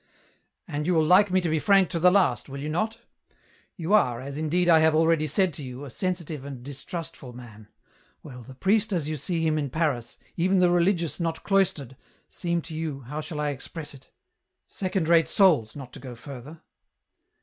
" And you will like me to be frank to the last, will you not ? You are, as indeed I have already said to you, a sensitive and distrustful man ; well, the priest as you see him in Paris, even the religious not cloistered, seem to you, how shall I express it ? second rate souls, not to go further